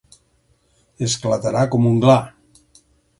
Esclatarà com un gla.